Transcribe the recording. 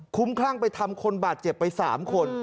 คุ้มคลั่งไปทำคนบาดเจ็บไป๓คน